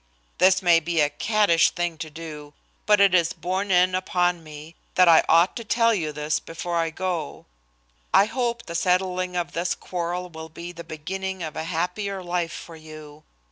"This may be a caddish thing to do, but it is borne in upon me that I ought to tell you this before I go. I hope the settling of this quarrel will be the beginning of a happier life for you.